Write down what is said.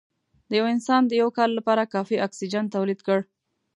د یو انسان د یو کال لپاره کافي اکسیجن تولید کړ